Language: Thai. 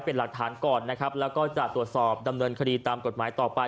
เป็นหลักฐานก่อนนะครับแล้วก็จะตรวจสอบดำเนินคดีตามกฎหมายต่อไป